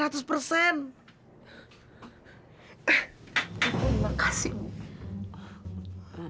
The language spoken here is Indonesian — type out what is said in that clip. terima kasih bu